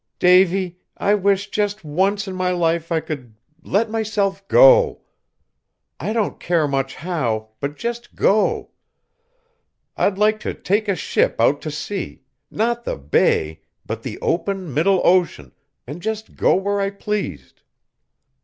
"Davy, I wish just once in my life I could let myself go! I don't care much how, but just go! I'd like to take a ship out to sea, not the bay but the open, middle ocean, and go just where I pleased."